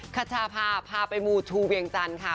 คัชชาพาพาไปมูชูเวียงจันทร์ค่ะ